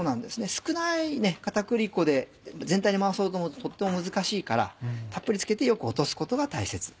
少ない片栗粉で全体にまぶそうと思うととっても難しいからたっぷり付けてよく落とすことが大切。